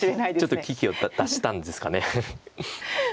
ちょっと危機を脱したんですかね。